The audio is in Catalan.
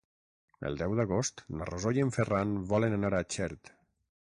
El deu d'agost na Rosó i en Ferran volen anar a Xert.